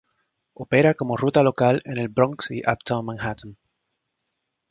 Opera como ruta local en el Bronx y Uptown Manhattan.